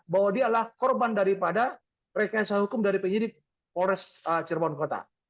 bahwa dialah korban daripada rekayasa hukum dari penyidik forest cirebon kota